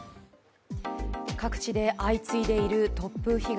各地で相次いでいる突風被害。